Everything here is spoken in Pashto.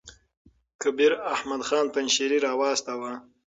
کبیر احمد خان پنجشېري را واستاوه.